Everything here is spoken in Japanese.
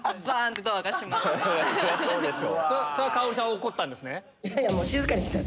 カオリさんは怒ったんですね。